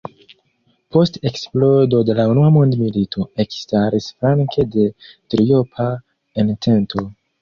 Post eksplodo de la unua mondmilito ekstaris flanke de Triopa Entento.